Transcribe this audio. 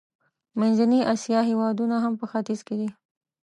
منځنۍ اسیا هېوادونه هم په ختیځ کې دي.